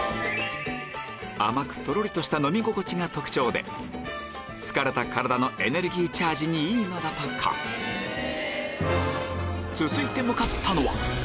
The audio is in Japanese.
甘くとろりとした飲み心地が特徴で疲れた体のエネルギーチャージにいいのだとか続いて向かったのは？